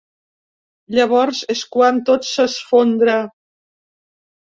Llavors és quan tot s’esfondra.